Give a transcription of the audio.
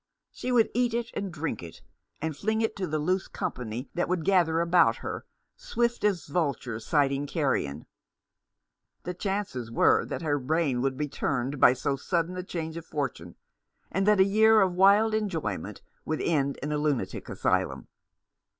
She would eat it and drink it, and fling 360 The, Man behind the Mask. it to the loose company that would gather about her, swift as vultures sighting carrion. The chances were that her brain would be turned by so sudden a change of fortune, and that a year of wild en joyment would end in a lunatic asylum.